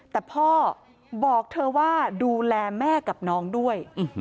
แต่พ่อบอกเธอว่าดูแลแม่กับน้องด้วย